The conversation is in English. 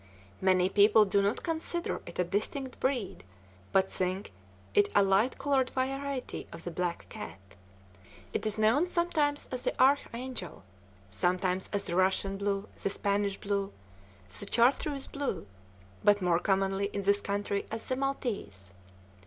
Many people do not consider it a distinct breed, but think it a light colored variety of the black cat. It is known sometimes as the Archangel, sometimes as the Russian blue, the Spanish blue, the Chartreuse blue, but more commonly in this country as the maltese.